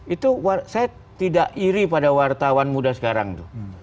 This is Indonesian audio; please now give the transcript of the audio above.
itu saya tidak iri pada wartawan muda sekarang tuh